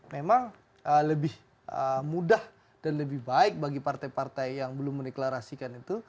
memang lebih mudah dan lebih baik bagi partai partai yang belum mendeklarasikan itu